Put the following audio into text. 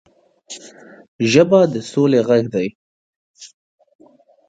ژبه د سولې غږ دی